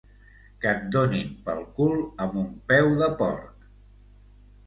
Que et donin pel cul amb un peu de porc.